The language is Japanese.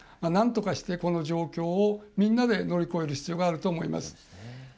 なんとかしてこの状況をみんなで乗り越える必要があると思います。